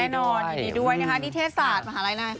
จบแน่นอนยินดีด้วยนะครับนี่เทศศาสตร์มหาลัยไหน